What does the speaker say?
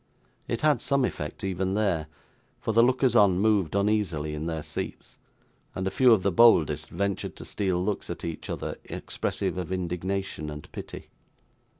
It had some effect, even there; for the lookers on moved uneasily in their seats; and a few of the boldest ventured to steal looks at each other, expressive of indignation and pity.